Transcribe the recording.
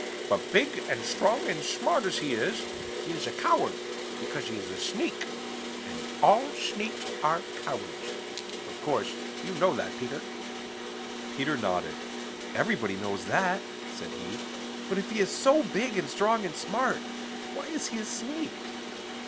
But big and strong and smart as he is, he is a coward because he is a sneak, and all sneaks are cowards. Of course, you know that, Peter." Peter nodded. "Everybody knows that," said he. "But if he is so big and strong and smart, why is he a sneak?"